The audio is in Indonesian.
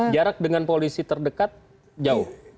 jarak dengan polisi terdekat jauh